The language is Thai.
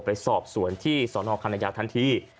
ไปสอบส่วนที่สคัณธยาทั้งที